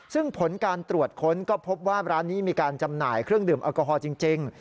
ซึ่งผลการตรวจค้นก็พบว่าร้านนี้มีการจำหน่ายเครื่องดื่มแอลกอฮอล์จริง